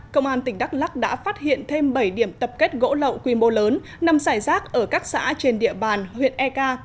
công an tỉnh đắk lắc đã phát hiện thêm bảy điểm tập kết gỗ lậu quy mô lớn nằm xảy rác ở các xã trên địa bàn huyện eka